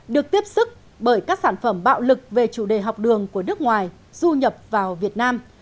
được tiếp sức bởi các sản phẩm bạo lực về chủ đề học đường của nước ngoài du nhập vào việt nam